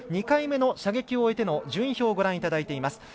２回目の射撃を終えての順位表をご覧いただいております。